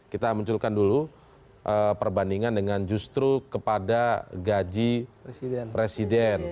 kita munculkan dulu perbandingan dengan justru kepada gaji presiden